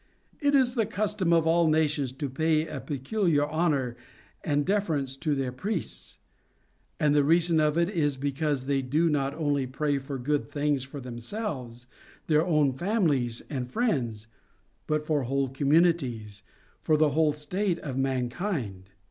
It is the custom of all nations to pay a peculiar honor and deference to their priests ; and the reason of it is, because they do not only pray for good things for themselves, their own families and friends, but * Aglaia, Euphrosyne, and Thalia 376 PHILOSOPHERS TO CONVERSE for whole communities, for the whole state of mankind.